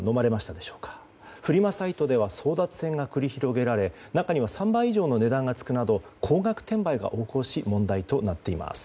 フリマサイトでは争奪戦が繰り広げられ中には３倍以上の値段が付くなど高額転売が横行し問題となっています。